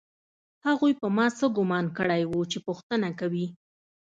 هغوی په ما څه ګومان کړی و چې پوښتنه کوي